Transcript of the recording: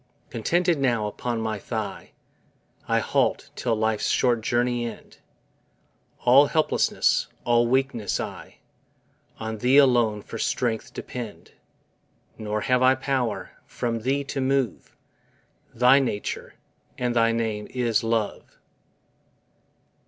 Contented now upon my thigh I halt, till life's short journey end; All helplessness, all weakness I, On Thee alone for strength depend, Nor have I power, from Thee, to move; Thy nature, and thy name is LOVE.